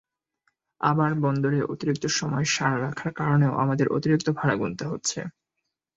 আবার বন্দরে অতিরিক্ত সময় সার রাখার কারণেও আমাদের অতিরিক্ত ভাড়া গুনতে হচ্ছে।